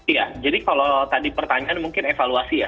iya jadi kalau tadi pertanyaan mungkin evaluasi ya